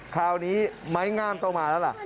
คราวนี้ไม้งามต้องมาแล้วล่ะ